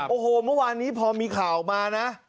โอ้โหมาวานนี้พอมีข่าวมา